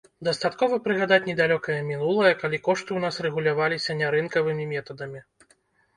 Дастаткова прыгадаць недалёкае мінулае, калі кошты ў нас рэгуляваліся нярынкавымі метадамі.